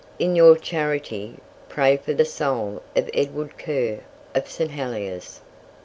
In your charity, pray for the soul of Edward Curr, of St. Heliers."